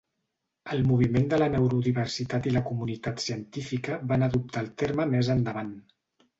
El moviment de la neurodiversitat i la comunitat científica van adoptar el terme més endavant.